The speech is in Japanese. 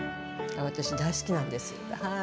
私大好きなんですはい。